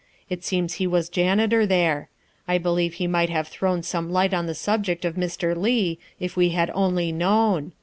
It seems he was janitor there. I believe he might have thrown some light on the subject of Mr. Leigh if we had only known.